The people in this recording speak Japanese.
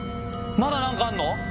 まだ何かあるの？